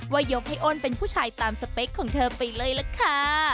ยกให้อ้นเป็นผู้ชายตามสเปคของเธอไปเลยล่ะค่ะ